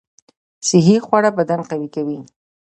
صحي خواړه بدن قوي کوي